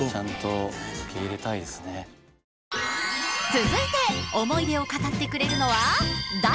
続いて思い出を語ってくれるのは「大！